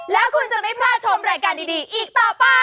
แล้วคุณจะไม่พลาดชมรายการดีอีกต่อไป